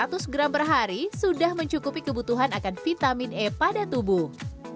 konsumsi tauge dua ratus gram per hari sudah mencukupi kebutuhan akan vitamin e pada tubuh